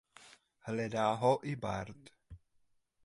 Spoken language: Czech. Hledá ho i Bart.